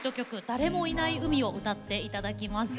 「誰もいない海」を歌って頂きます。